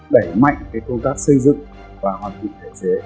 đẩy mạnh công tác xây dựng và hoàn thiện thể chế